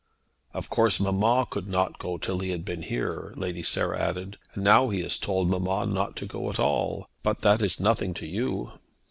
"Of course mamma could not go till he had been here," Lady Sarah added; "and now he has told mamma not to go at all. But that is nothing to you."